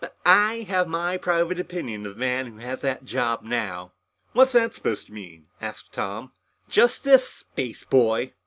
But I have my private opinion of the man who has that job now!" "What's that supposed to mean?" asked Tom. "Just this, spaceboy.